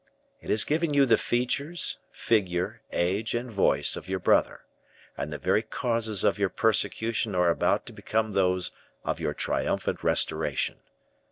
It has given you the features, figure, age, and voice of your brother; and the very causes of your persecution are about to become those of your triumphant restoration.